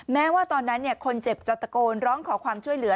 แม้ว่าตอนนั้นคนเจ็บจะตะโกนร้องขอความช่วยเหลือ